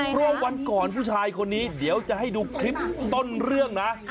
เพราะวันก่อนผู้ชายคนนี้เดี๋ยวจะให้ดูคลิปต้นเรื่องนะ